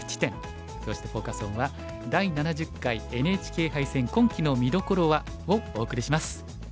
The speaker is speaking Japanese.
そしてフォーカス・オンは「第７０回ＮＨＫ杯戦今期の見どころは？」をお送りします。